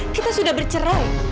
kita sudah bercerai